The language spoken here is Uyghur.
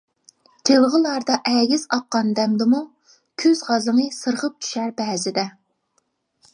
جىلغىلاردا ئەگىز ئاققان دەمدىمۇ، كۈز غازىڭى سىرغىپ چۈشەر بەزىدە.